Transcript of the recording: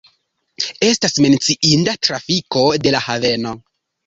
Estas menciinda trafiko de la haveno.